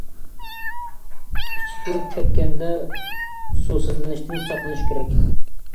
ئىچى سۈرۈپ كەتكەندە سۇسىزلىنىشتىن ساقلىنىش كېرەك.